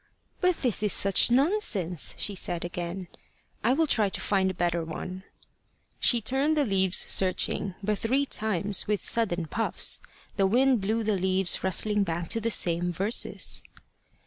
"But this is such nonsense!" she said again. "I will try to find a better one." She turned the leaves searching, but three times, with sudden puffs, the wind blew the leaves rustling back to the same verses.